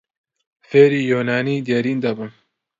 فێری یۆنانیی دێرین دەبم.